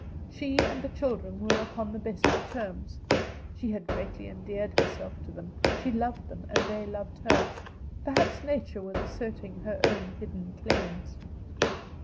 She and the children were upon the best of terms. She had greatly endeared herself to them; she loved them, and they loved her perhaps nature was asserting her own hidden claims.